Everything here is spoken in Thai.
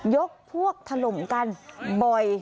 ยกพวกถล่มกันบ่อย